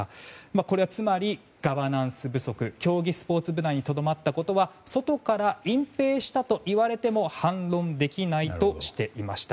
これは、つまりガバナンス不足競技スポーツ部内にとどまったことは外から隠ぺいしたといわれても反論できないとしていました。